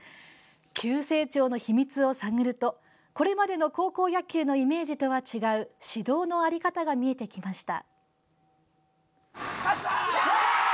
急成長の秘密を探るとこれまでの高校野球のイメージとは違う指導の在り方が見えてきました。